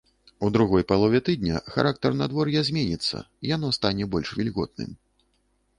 У другой палове тыдня характар надвор'я зменіцца, яно стане больш вільготным.